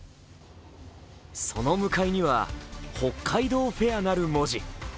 その向かいには、「北海道フェア」なる文字。